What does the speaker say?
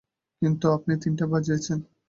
কিন্তু আপনি তিনটা বানিয়েছেন।